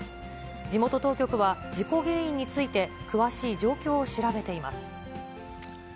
地元当局は事故原因について、詳しい状況を調べています。